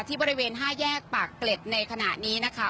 บริเวณ๕แยกปากเกร็ดในขณะนี้นะคะ